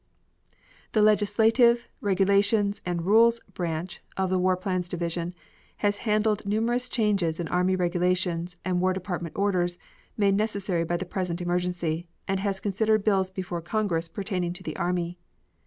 The Legislative, Regulations, and Rules Branch of the War Plans Division has handled numerous changes in Army Regulations and War Department orders made necessary by the present emergency, and has considered bills before Congress pertaining to the army.